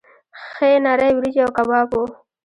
ښې نرۍ وریجې او کباب وو.